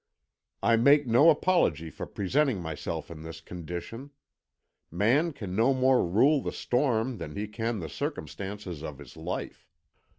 I make no apology for presenting myself in this condition. Man can no more rule the storm than he can the circumstances of his life.